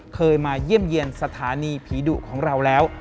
เคยมาเยี่ยมเยี่ยมสถานีผีดุของเราแล้ว